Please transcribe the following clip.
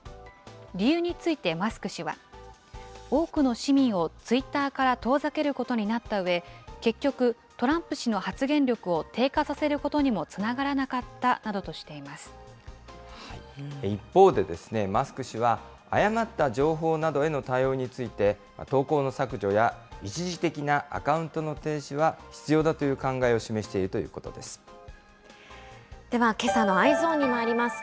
理由についてマスク氏は、多くの市民をツイッターから遠ざけることになったうえ、結局、トランプ氏の発言力を低下させることにもつながらなかったとして一方で、マスク氏は誤った情報などへの対応について、投稿の削除や、一時的なアカウントの停止は必要だという考えを示しているというでは、けさのＥｙｅｓｏｎにまいります。